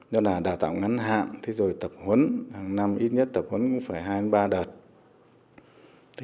đó là đào tạo ngắn hạng rồi tập huấn hàng năm ít nhất tập huấn cũng phải hai ba đợt